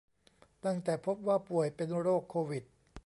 ตั้งแต่พบว่าป่วยเป็นโรคโควิด